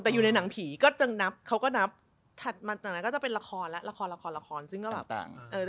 แต่อยู่ในหนังผีก็จะนับเขาก็นับถัดมาจากนั้นก็จะเป็นละครและละครละครซึ่งก็แบบต่าง